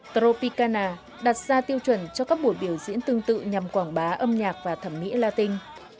propicana đặt ra tiêu chuẩn cho các buổi biểu diễn tương tự nhằm quảng bá âm nhạc và thẩm mỹ latin